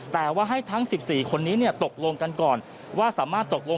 แต่ว่าให้ทั้ง๑๔คนนี้ตกลงกันก่อน